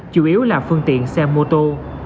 chủ yếu là phương tiện xe mô tô